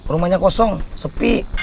rumahnya kosong sepi